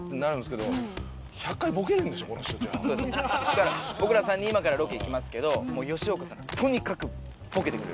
だから僕ら３人今からロケ行きますけどもう吉岡さんがとにかくボケてくれるということで。